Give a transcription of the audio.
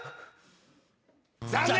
残念！